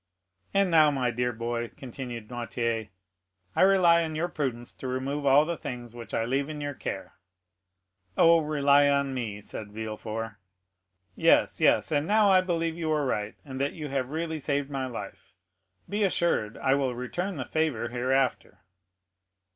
"And now, my dear boy," continued Noirtier, "I rely on your prudence to remove all the things which I leave in your care." "Oh, rely on me," said Villefort. "Yes, yes; and now I believe you are right, and that you have really saved my life; be assured I will return the favor hereafter."